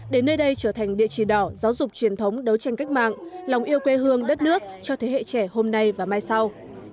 để nơi đây trở thành địa chỉ đỏ giáo dục truyền thống đấu tranh cách mạng lòng yêu quê hương đất nước cho thế hệ trẻ hôm nay và mai sau